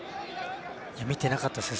見てなかったですね。